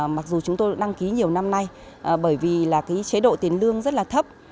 mặc dù chúng tôi đăng ký nhiều năm nay bởi vì là cái chế độ tiền lương rất là thấp